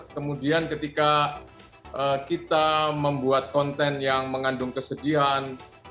kemudian ketika kita membuat konten yang mengandung kesedihan